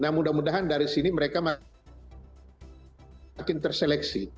nah mudah mudahan dari sini mereka makin terseleksi